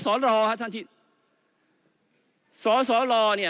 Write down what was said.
สองสลลอเนี่ย